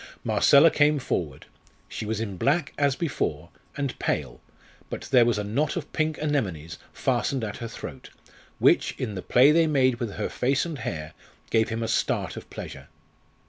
Marcella came forward. She was in black as before, and pale, but there was a knot of pink anemones fastened at her throat, which, in the play they made with her face and hair, gave him a start of pleasure.